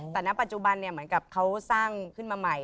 แต่ณปัจจุบันเหมือนกับเขาสร้างขึ้นมาใหม่